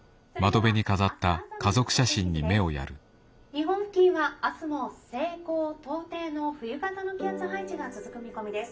日本付近は明日も西高東低の冬型の気圧配置が続く見込みです。